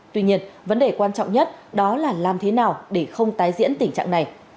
tuy nhiên vấn đề quan trọng nhất đó là làm thế nào để không tái diễn tình trạng này